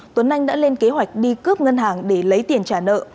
tuấn anh đã lên kế hoạch đi cướp ngân hàng để lấy tiền trả nợ